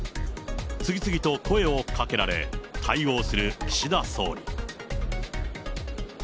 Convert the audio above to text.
次々と声をかけられ、対応する岸田総理。